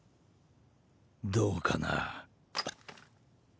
どうかな。